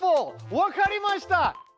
わかりました！